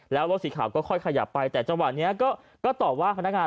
แล้วรถสีขาวก็ค่อยขยับไปแต่จังหวะนี้ก็ตอบว่าพนักงาน